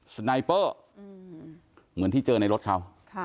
สไนเปอร์เหมือนที่เจอในรถเขา